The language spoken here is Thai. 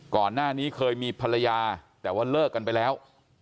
ก่อนหน้านี้เคยมีภรรยาแต่ว่าเลิกกันไปแล้ว